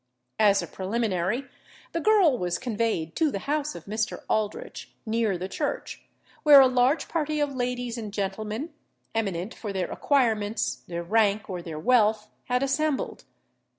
As a preliminary, the girl was conveyed to the house of Mr. Aldritch near the church, where a large party of ladies and gentlemen, eminent for their acquirements, their rank, or their wealth, had assembled.